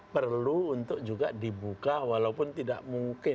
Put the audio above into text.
perlu untuk juga dibuka walaupun tidak mungkin